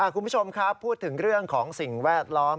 คุณผู้ชมครับพูดถึงเรื่องของสิ่งแวดล้อม